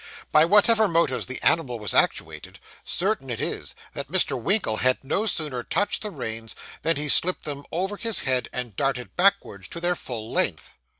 By whatever motives the animal was actuated, certain it is that Mr. Winkle had no sooner touched the reins, than he slipped them over his head, and darted backwards to their full length.